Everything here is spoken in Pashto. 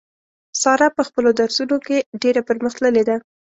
ساره په خپلو درسو نو کې ډېره پر مخ تللې ده.